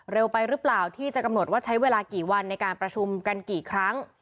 ไปหรือเปล่าที่จะกำหนดว่าใช้เวลากี่วันในการประชุมกันกี่ครั้ง